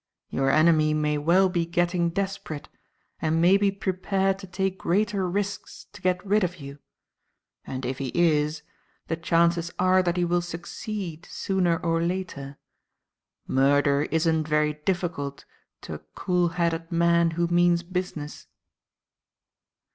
Your enemy may well be getting desperate, and may be prepared to take greater risks to get rid of you; and if he is, the chances are that he will succeed sooner or later. Murder isn't very difficult to a cool headed man who means business."